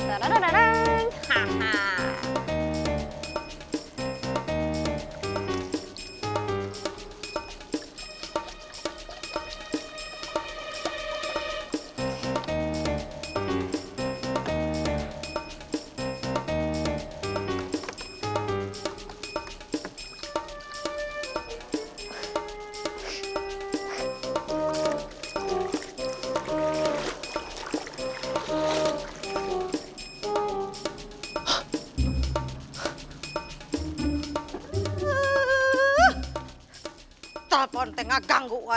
aduh ini enak